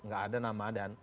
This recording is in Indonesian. gak ada namadan